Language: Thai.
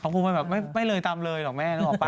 เขาพูดไว้แบบไม่เลยตามเลยหรอกแม่นึกออกปะ